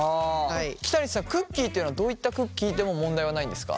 北西さんクッキーっていうのはどういったクッキーでも問題はないんですか？